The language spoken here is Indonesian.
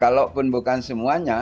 kalaupun bukan semuanya